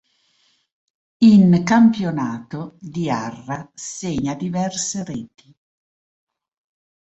In campionato Diarra segna diverse reti.